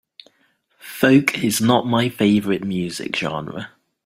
Folk is not my favorite music genre.